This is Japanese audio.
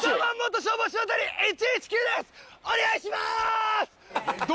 お願いします。